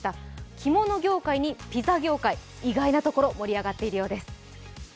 着物業界にピザ業界意外なところ盛り上がっているようです。